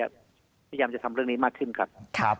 พยายามจะทำเรื่องนี้มากขึ้นครับ